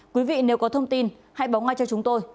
quý vị nếu có thông tin hãy báo ngay cho chúng tôi